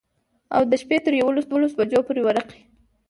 او د شپي تر يوولس دولسو بجو پورې ورقې.